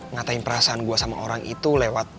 ngatain perasaan gue sama orang itu lewat